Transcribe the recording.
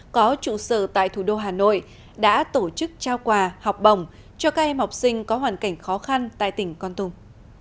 có trụ sở tại thủ đô hà nội đã tổ chức trao quà học bổng cho các em học sinh có hoàn cảnh khó khăn tại tỉnh con tum